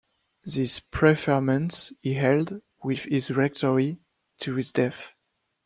These preferments he held, with his rectory, to his death.